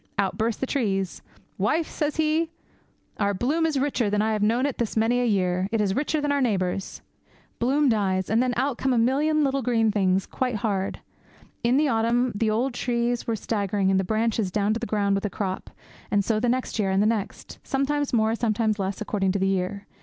Out burst the trees. "Wife," says he, "our bloom is richer than I have known it this many a year; it is richer than our neighbours'!" Bloom dies, and then out come about a million little green things quite hard. In the autumn the old trees were staggering, and the branches down to the ground with the crop; and so the next year, and the next; sometimes more, sometimes less, according to the year.